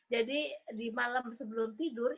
jadi di malam sebelum tidur